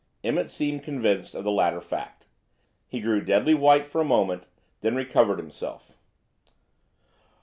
Emmett seemed convinced of the latter fact. He grew deadly white for a moment, then recovered himself.